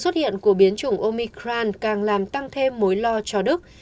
thiện của biến chủng omicron càng làm tăng thêm mối lo cho đức